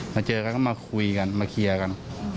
มาเจอกันก็มาคุยกันมาเคลียร์กัน